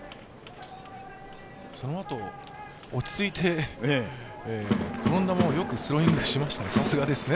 そのあと落ち着いて転んだままよくスローイングしましたね。